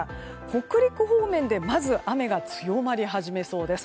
北陸方面でまず雨が強まり始めそうです。